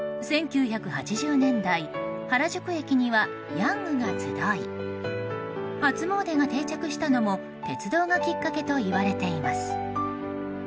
１９８０年代原宿駅にはヤングが集い初詣が定着したのも、鉄道がきっかけといわれています。